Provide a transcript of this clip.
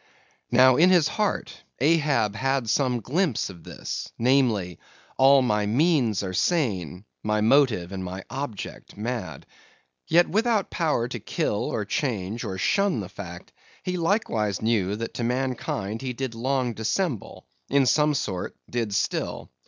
Now, in his heart, Ahab had some glimpse of this, namely: all my means are sane, my motive and my object mad. Yet without power to kill, or change, or shun the fact; he likewise knew that to mankind he did long dissemble; in some sort, did still.